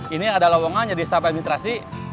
ini ada lowongan jadi staf administrasi